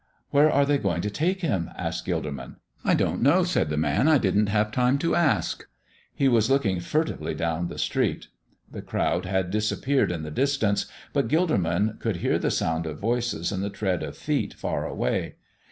"Where are they going to take Him?" asked Gilderman. "I don't know," said the man; "I didn't have time to ask." He was looking furtively down the street. The crowd had disappeared in the distance, but Gilderman could hear the sound of voices and the tread of feet far away.